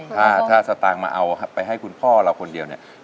ถ้าสตางค์มาเอาไปให้คุณพ่อเราคนเดียวเนี่ย